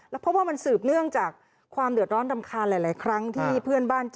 เพราะว่ามันสืบเนื่องจากความเดือดร้อนรำคาญหลายครั้งที่เพื่อนบ้านเจอ